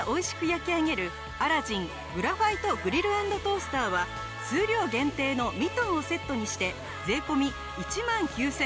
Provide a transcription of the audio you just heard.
焼き上げるアラジングラファイトグリル＆トースターは数量限定のミトンをセットにして税込１万９８００円。